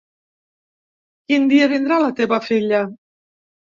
Quin dia vindrà la teva filla?